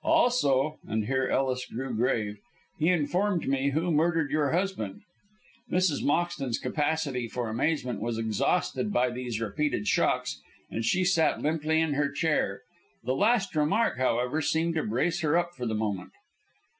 Also," and here Ellis grew grave, "he informed me who murdered your husband." Mrs. Moxton's capacity for amazement was exhausted by these repeated shocks, and she sat limply in her chair. The last remark, however, seemed to brace her up for the moment.